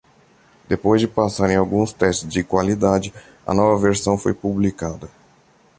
Depois de passar em alguns testes de qualidade, a nova versão foi publicada.